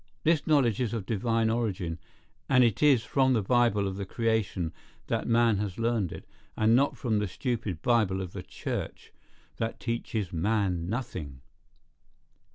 This knowledge is of divine origin; and it is from the Bible of the creation that man has learned it, and not from the stupid Bible of the church, that teaches man nothing.